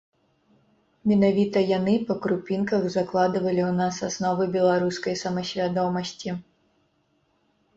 Менавіта яны па крупінках закладвалі ў нас асновы беларускай самасвядомасці.